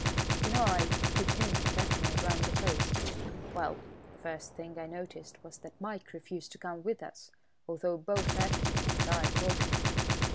"You know I took him and Ethne round the place. Well, the first thing I noticed was that Mike refused to come with us, although both Ethne and I called him.